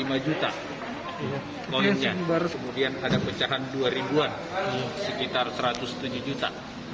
kemudian ada pecahan dua ribu an sekitar satu ratus tujuh juta